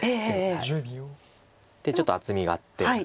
ちょっと厚みがあって。